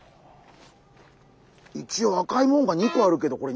一応赤い紋が２個あるけどこれ